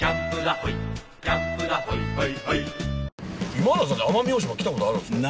今田さんって奄美大島来たことあるんですか？